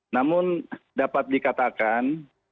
namun dapat dikatakan